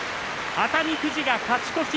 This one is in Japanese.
熱海富士、勝ち越し。